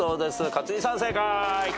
勝地さん正解。